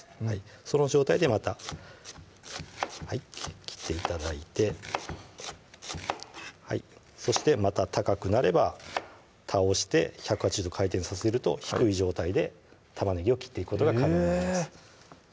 その状態でまた切って頂いてそしてまた高くなれば倒して１８０度回転させると低い状態で玉ねぎを切っていくことが可能になります